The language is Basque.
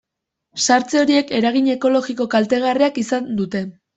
Sartze horiek eragin ekologiko kaltegarria izan dute.